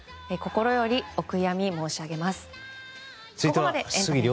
心よりお悔やみ申し上げます。